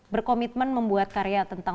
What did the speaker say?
berkomitmen membuat karya tentang